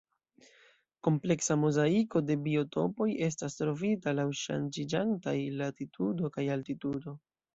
Kompleksa mozaiko de biotopoj estas trovita laŭ ŝanĝiĝantaj latitudo kaj altitudo.